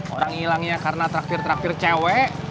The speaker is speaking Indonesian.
orang hilangnya karena traktir traktir cewek